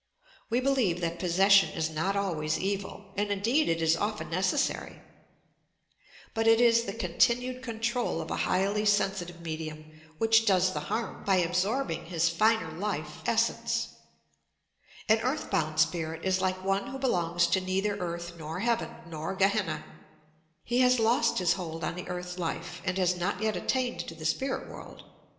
We believe that possession is not always evil, and indeed it is often necessary. But it is the continued control of a highly sensitive medium which does the harm by ab sorbing his finer life essence. An earthbound spirit is like one who belongs to neither earth nor heaven, nor Oebenna. He has lost his hold on the earth life and OBSESSION AND INSANITY 203 has not yet attaiued to the spirit world.